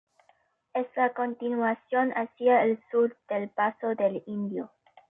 Es la continuación hacia el sur del paso del Indio.